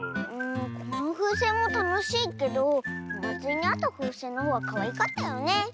このふうせんもたのしいけどおまつりにあったふうせんのほうがかわいかったよね。